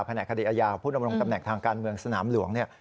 แหนกคดีอาญาผู้ดำรงตำแหน่งทางการเมืองสนามหลวงเนี่ย